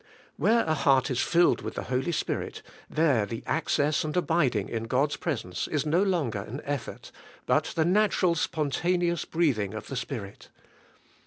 Where a heart is filled with the Holy Spirit, there the access and abiding in God's pres ence is no longer an effort, but the natural spontan eous breathing of the Spirit.